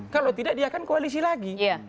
kalau tidak dia akan koalisi lagi